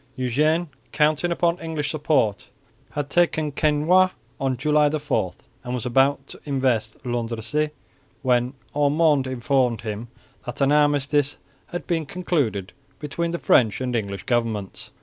Eugene, counting upon English support, had taken Quesnoy on July 4, and was about to invest Landrecies, when Ormonde informed him that an armistice had been concluded between the French and English governments.